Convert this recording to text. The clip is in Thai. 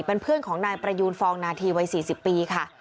เป็นเพื่อนของนายประยูนฟองนาธีวัย๔๐ปีค่ะ